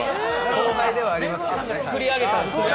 後輩ではありますけど。